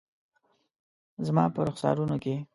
زما په رخسارونو کې